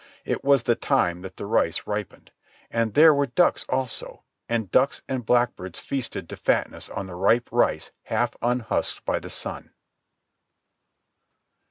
It was the time that the rice ripened. And there were ducks also, and ducks and blackbirds feasted to fatness on the ripe rice half unhusked by the sun.